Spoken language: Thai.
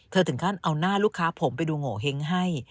เธอถึงการเอาหน้าลูกค้าผมไปดูโง่เห้งให้